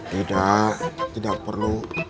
tidak tidak perlu